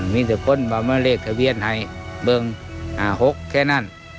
มีแต่คนบรรเมอร์เลกทะเวียนไทยเบื้อง๕๖แค่นั้น